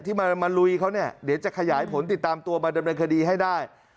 ที่มาลุยเขาเนี่ยเดี๋ยวจะขยายผลติดตามตัวมาดำเนินคดีให้ได้